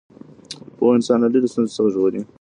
پوهه انسان له ډېرو ستونزو څخه ژغوري.